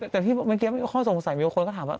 แต่ที่เมื่อกี้มีข้อสงสัยมีคนก็ถามว่า